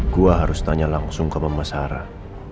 gua harus tanya langsung ke mama sarah